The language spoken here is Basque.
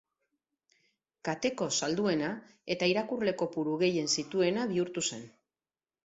Kateko salduena eta irakurle kopuru gehien zituena bihurtu zen.